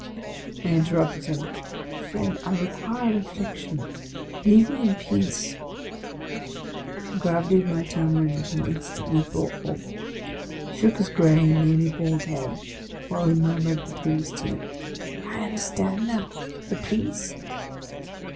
I interrupted him, " My friend, I require reflection : leave me in peace." The gravity of my tone rendered him instantly thought ful. He shook his grey and nearly bald head, while he mur mured between his teeth, " I understand now, — the Priest